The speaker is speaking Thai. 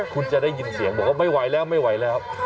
คุณจะได้ยินเสียงบอกว่าไม่ไหวแล้ว